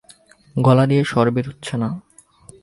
গলা দিয়ে স্বর বেরুচ্ছে না।